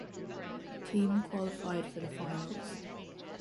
Team qualified for the finals